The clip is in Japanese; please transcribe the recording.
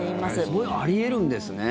すごい。あり得るんですね。